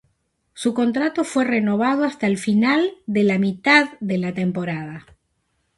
Su contrato fue renovado hasta el final de la mitad de la temporada.